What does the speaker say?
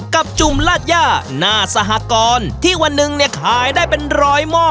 จุ่มลาดย่าหน้าสหกรที่วันหนึ่งเนี่ยขายได้เป็นร้อยหม้อ